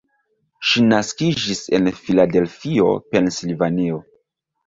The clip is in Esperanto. Ŝi naskiĝis en Filadelfio, Pensilvanio.